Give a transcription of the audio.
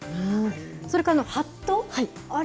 それからはっと？